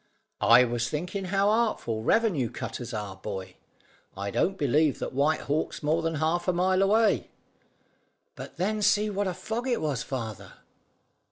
"I was thinking how artful revenue cutters are, boy. I don't believe that White Hawk's more than half a mile away." "But then see what a fog it was, father?"